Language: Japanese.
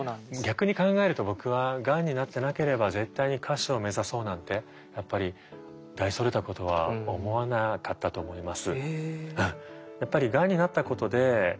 逆に考えると僕はがんになってなければ絶対に歌手を目指そうなんてやっぱり大それたことは思わなかったと思います。